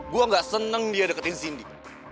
gue gak seneng dia deketin cindy